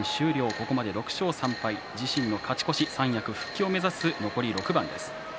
ここまで６勝３敗自身の勝ち越し三役復帰を目指す残り６番です。